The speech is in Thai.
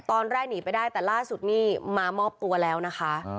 ตอนแรกหนีไปได้แต่ล่าสุดนี่มามอบตัวแล้วนะคะ